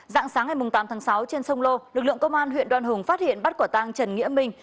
dạng sáng ngày tám tháng sáu trên sông lô lực lượng công an huyện đoan hùng phát hiện bắt quả tang trần nghĩa minh